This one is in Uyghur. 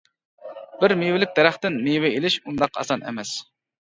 بىر مېۋىلىك دەرەختىن مېۋە ئىلىش ئۇنداق ئاسان ئەمەس.